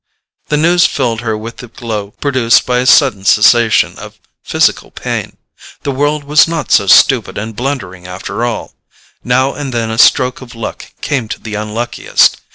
The news filled her with the glow produced by a sudden cessation of physical pain. The world was not so stupid and blundering after all: now and then a stroke of luck came to the unluckiest.